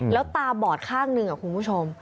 แล้วตาบอดข้างหนึ่งคุณผู้ชม